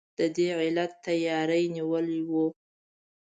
د دې علت تیاری نیول وو.